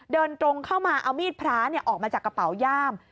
เดินตรงเข้ามาเอามีดพระออกมาจากกระเป๋าย่าม